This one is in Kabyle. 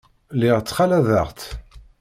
Lliɣ ttxalaḍeɣ-tt.